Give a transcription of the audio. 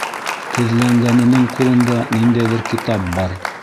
Теҙләнгәненең ҡулында ниндәйҙер китап бар.